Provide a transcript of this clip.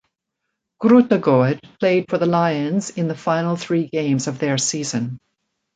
Grootegoed played for the Lions in the final three games of their season.